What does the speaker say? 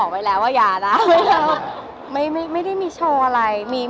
แบบอะไรเด็ดได้ไหม